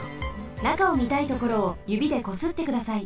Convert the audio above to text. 中をみたいところをゆびでこすってください。